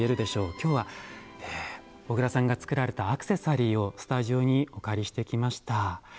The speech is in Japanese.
今日は小倉さんが作られたアクセサリーをスタジオにお借りしてきました。